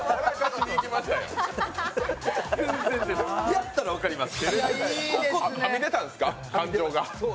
やったら分かります。